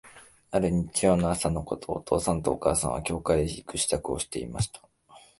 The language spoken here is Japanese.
ある日曜日の朝のこと、お父さんとお母さんは、教会へ行く支度をしていました。